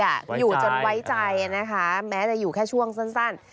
อยู่จนไว้ใจนะคะแม้จะอยู่แค่ช่วงสั้น